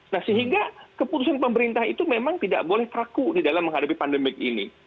nah sehingga keputusan pemerintah itu memang tidak boleh teraku di dalam menghadapi pandemik ini